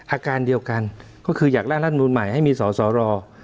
อาการเดียวกันก็คืออยากร่านรัฐบุญใหม่ให้มีศสร